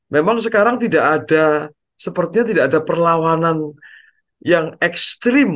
memang sekarang tidak ada sepertinya tidak ada perlawanan yang ekstrim